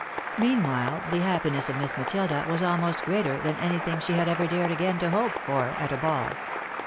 Meanwhile the happiness of Miss Matilda was almost greater than anything she had ever dared again to hope for at a ball.